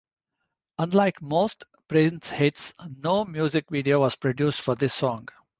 Unlike most Prince hits, no music video was produced for this song.